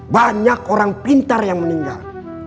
banyak orang pintar yang meninggal